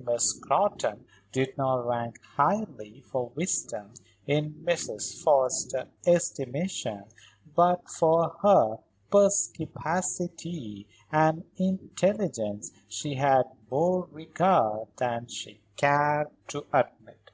Miss Scrotton did not rank highly for wisdom in Mrs. Forrester's estimation; but for her perspicacity and intelligence she had more regard than she cared to admit.